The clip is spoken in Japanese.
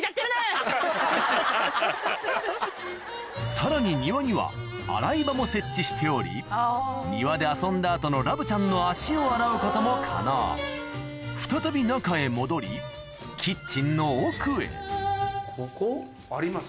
さらに庭には洗い場も設置しており庭で遊んだ後のラブちゃんの足を洗うことも可能再び中へ戻りここ？あります？